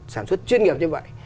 sản xuất chuyên nghiệp như vậy